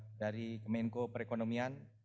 dan juga dari kemenko perekonomian